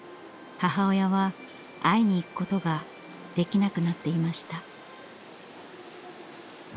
母親は会いに行くことができなくなっていました。